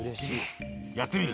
やってみる？